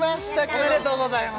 おめでとうございます